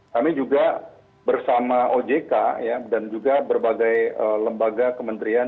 kami juga bersama ojk dan juga berbagai lembaga kementerian